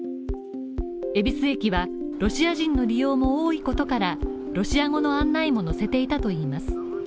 恵比寿駅はロシア人の利用も多いことからロシア語の案内も載せていたといいます。